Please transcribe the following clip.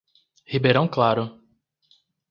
Ribeirão Claro